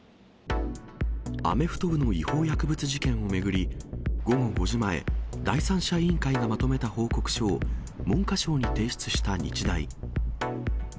アメフト部の違法薬物事件を巡り、午後５時前、第三者委員会がまとめた報告書を文科省に提出した日大。